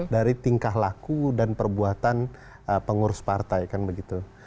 dari tingkah laku dan perbuatan pengurus partai kan begitu